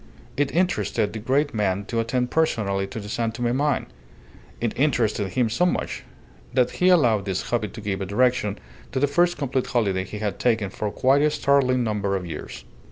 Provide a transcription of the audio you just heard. It interested the great man to attend personally to the San Tome mine; it interested him so much that he allowed this hobby to give a direction to the first complete holiday he had taken for quite a startling number of years.